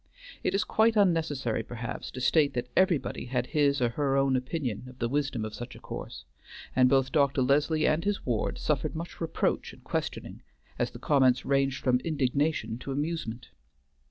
It is quite unnecessary, perhaps, to state that everybody had his or her own opinion of the wisdom of such a course, and both Dr. Leslie and his ward suffered much reproach and questioning, as the comments ranged from indignation to amusement.